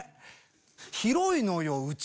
広いのようち。